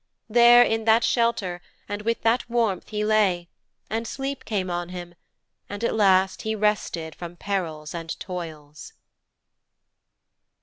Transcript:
There in that shelter, and with that warmth he lay, and sleep came on him, and at last he rested from perils and toils.